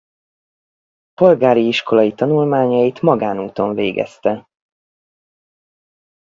Polgári iskolai tanulmányait magánúton végezte.